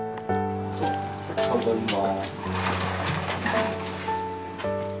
ただいま。